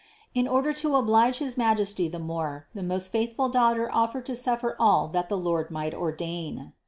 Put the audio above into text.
And in order to oblige his Majesty the more, the most faithful Daughter offered to suffer all that the Lord might ordain.